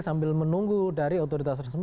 sambil menunggu dari otoritas resmi